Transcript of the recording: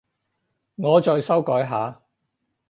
我再修改下